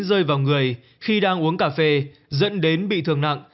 rơi vào người khi đang uống cà phê dẫn đến bị thương nặng